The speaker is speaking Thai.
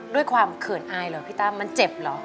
ด้วยความเขินอายหรอพี่ตั้มมันเจ็บเหรอ